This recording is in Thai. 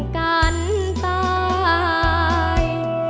กันตาย